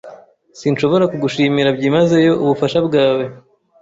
Sinshobora kugushimira byimazeyo ubufasha bwawe.